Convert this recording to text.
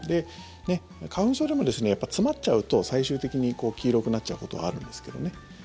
花粉症でも、詰まっちゃうと最終的に黄色くなっちゃうことはあるんですけどね。